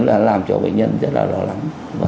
làm cho bệnh nhân rất là lo lắng